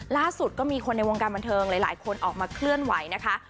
ล่าสุดก็มีคนในวงการบันเทิงหลายคนออกมาเคลื่อนไหวนะคะ